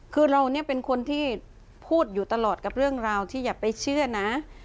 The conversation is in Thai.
คือเราเนี่ยเป็นคนที่พูดอยู่ตลอดกับเรื่องราวที่อย่าไปเชื่อนะ